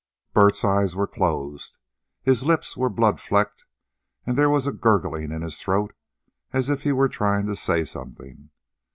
Bert's eyes were closed. His lips were blood flecked, and there was a gurgling in his throat as if he were trying to say something.